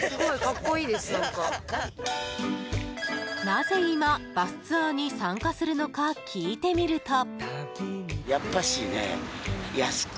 なぜ今、バスツアーに参加するのか聞いてみると。